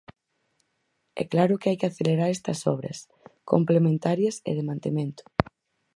E claro que hai que acelerar estas obras, complementarias e de mantemento.